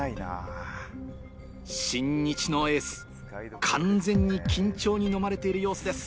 新日のエース完全に緊張にのまれている様子です